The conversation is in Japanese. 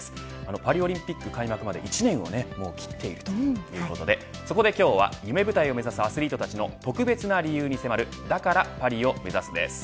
パリオリンピック開幕まで１年を切っているということでそこで今日は、夢舞台を目指すアスリートたちの特別な理由に迫るだからパリを目指す！です。